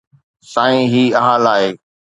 سائين، هي حال آهي